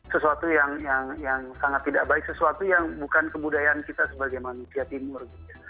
sesuatu yang sangat tidak baik sesuatu yang bukan kebudayaan kita sebagai manusia timur